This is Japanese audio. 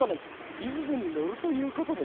リズムにのるということでですね